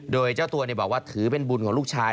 โดยเจ้าตัวบอกว่าถือเป็นบุญของลูกชาย